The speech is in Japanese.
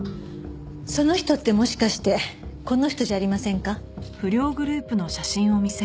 その人ってもしかしてこの人じゃありませんか？